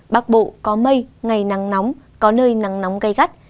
bắc bộ có mây ngày nắng nóng có nơi nắng nóng gây gắt